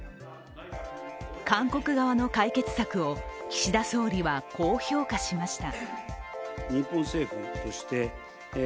韓国側の解決策を岸田総理はこう評価しました。